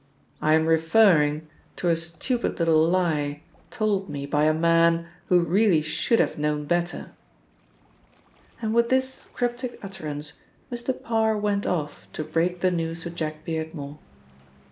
"I am referring to a stupid little lie told me by a man who really should have known better." And with this cryptic utterance, Mr. Parr went off to break the news to Jack Beardmore.